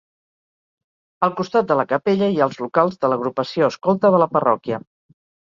Al costat de la capella hi ha els locals de l'agrupació escolta de la parròquia.